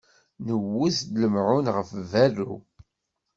Newwet-d lemɛun ɣef berru.